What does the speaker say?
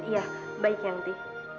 ya baik yangti